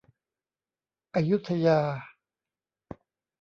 อยุธยา